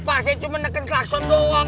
pak saya cuma neken klaxon doang